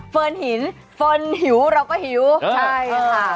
เฟิร์นหินเฟิร์นหิวเราก็หิวใช่ค่ะ